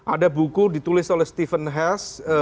ada buku ditulis oleh stephen hess